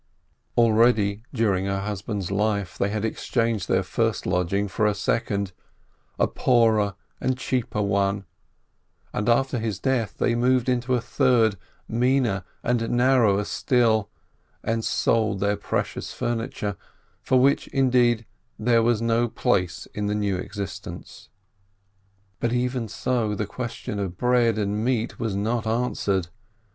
Already during her husband's life they had exchanged their first lodging for a second, a poorer and cheaper one, and after his death they moved into a third, meaner and narrower still, and sold their precious furniture, for which, indeed, there was no place in the new FOKLORN" AXD FOESAKEX 299 existence. But even so the question of bread and meat was not answered.